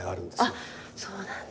あそうなんだ。